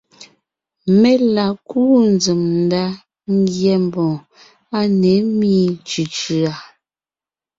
Mé la kúu nzsèm ndá ńgyɛ́ mbɔ̀ɔn á ne ḿmi cʉ̀cʉ̀a;